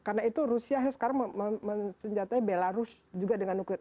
karena itu rusia sekarang senjatai belarus juga dengan nuklir